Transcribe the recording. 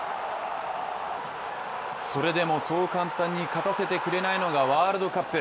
それでも、そう簡単に勝たせてくれないのがワールドカップ。